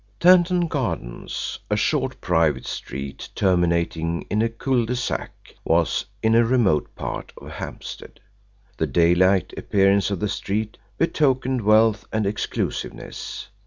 Tanton Gardens, a short private street terminating in a cul de sac, was in a remote part of Hampstead. The daylight appearance of the street betokened wealth and exclusiveness.